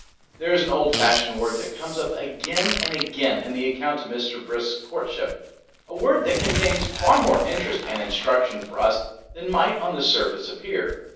There is an old fashioned word that comes up again and again in the account of Mr. Brisk's courtship, a word that contains far more interest and instruction for us than might on the surface appear.